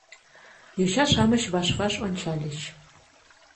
Йоча-шамыч ваш-ваш ончальыч.